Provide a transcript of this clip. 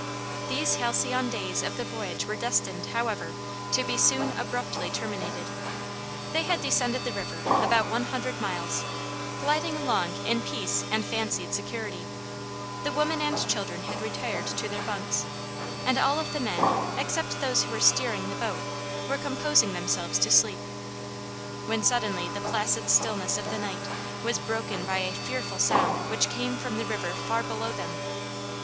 These halcyon days of the voyage were destined, however, to be soon abruptly terminated. They had descended the river about one hundred miles, gliding along in peace and fancied security; the women and children had retired to their bunks, and all of the men except those who were steering the boat were composing themselves to sleep, when suddenly the placid stillness of the night was broken by a fearful sound which came from the river far below them.